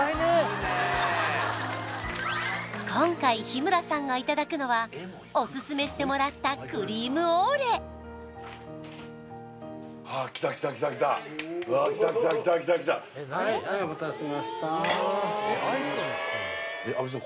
今回日村さんがいただくのはオススメしてもらったクリームオーレわあきたきたきたきたきたはいお待たせしました安部さん